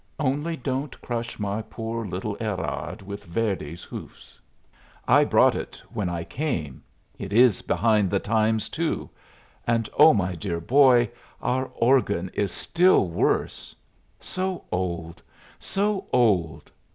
Only don't crush my poor little Erard with Verdi's hoofs. I brought it when I came. It is behind the times too. And, oh, my dear boy, our organ is still worse. So old, so old!